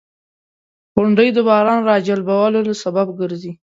• غونډۍ د باران راجلبولو سبب ګرځي.